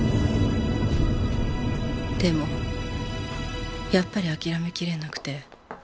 でもやっぱり諦めきれなくて。